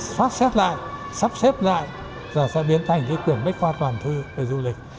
sắp xếp lại sắp xếp lại và sẽ biến thành cái quyển bách khoa toàn thư về du lịch